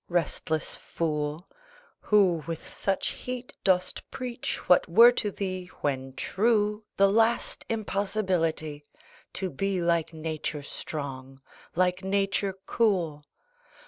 Restless fool, Who with such heat dost preach what were to thee, When true, the last impossibility To be like Nature strong, like Nature cool!